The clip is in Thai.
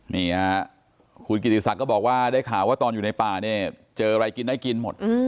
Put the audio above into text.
นี่ค่ะคุณกิติศักดิ์ก็บอกว่าได้ข่าวว่าตอนอยู่ในป่าเนี่ยเจออะไรกินได้กินหมด